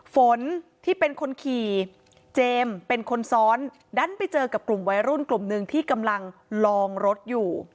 ฝนที่เป็นคนขี่เจมส์เป็นคนซ้อนดันไปเจอกับกลุ่มวัยรุ่นกลุ่มหนึ่งที่กำลังลองรถอยู่